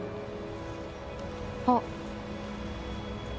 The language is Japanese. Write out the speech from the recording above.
あっ。